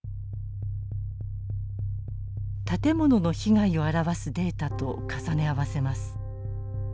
建物の被害を表すデータと重ね合わせます。